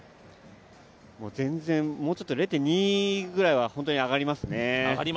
全然、もうちょっと、０．２ぐらいは上がりますね。